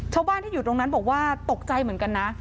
ชาวบ้านที่อยู่ตรงนั้นบอกว่าตกใจเหมือนกันนะ